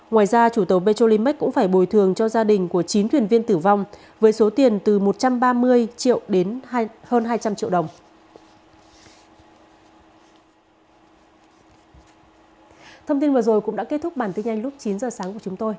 ngoài ra chủ tàu petrolimax cũng phải bồi thường cho gia đình của chín thuyền viên tử vong với số tiền từ một trăm ba mươi triệu đến hơn hai trăm linh triệu đồng